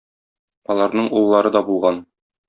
Аларның уллары да булган.